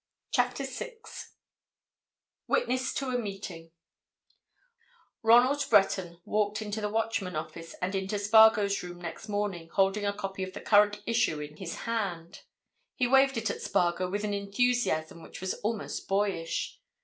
CHAPTER SIX WITNESS TO A MEETING Ronald Breton walked into the Watchman office and into Spargo's room next morning holding a copy of the current issue in his hand. He waved it at Spargo with an enthusiasm which was almost boyish.